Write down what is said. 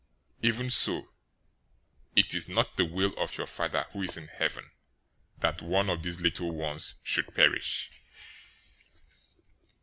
018:014 Even so it is not the will of your Father who is in heaven that one of these little ones should perish.